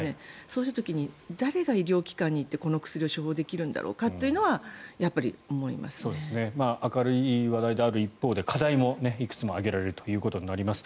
そうした時に誰が医療機関に行ってこの薬を処方できるんだろうかというのは明るい話題である一方で課題もいくつも挙げられるということになります。